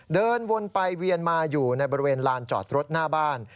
เดินวนไปเวียนมาอยู่ในบริเวณลานจอดรถหน้าบ้าน